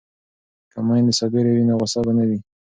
که میندې صابرې وي نو غوسه به نه وي.